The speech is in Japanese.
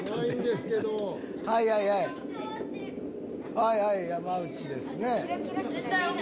はいはい山内ですね。